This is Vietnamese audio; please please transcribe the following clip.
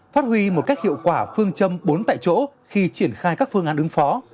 phát huy một cách hiệu quả phương châm bốn tại chỗ khi triển khai các phương án ứng phó